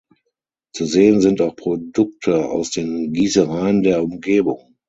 Zu sehen sind auch Produkte aus den Gießereien der Umgebung.